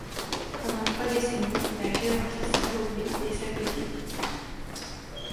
Pendant trois décennies, la Géorgie s'appauvrit et s'affaiblit.